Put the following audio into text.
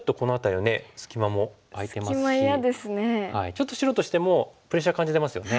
ちょっと白としてもプレッシャー感じてますよね。